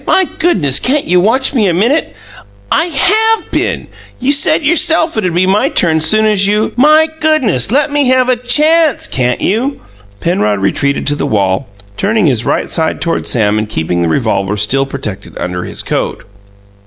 My goodness! Can't you watch me a minute?" "I HAVE been! You said yourself it'd be my turn soon as you " "My goodness! Let me have a CHANCE, can't you?" Penrod retreated to the wall, turning his right side toward Sam and keeping the revolver still protected under his coat.